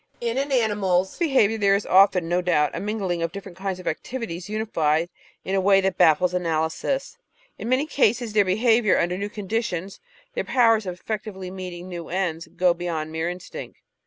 In an animal's behaviour there is often, no doubt, a mingling of different kinds of activities unified in a way that baffles analysis. In many cases their behaviour under new conditions, their powers of effectively meeting new ends, go beyond mere instinct.